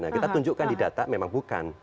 nah kita tunjukkan di data memang bukan